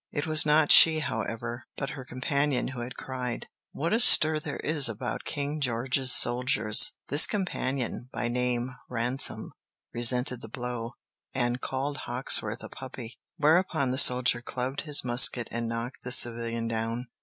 It was not she, however, but her companion who had cried, "What a stir there is about King George's soldiers!" This companion, by name Ransom, resented the blow, and called Hawksworth a puppy, whereupon the soldier clubbed his musket and knocked the civilian down.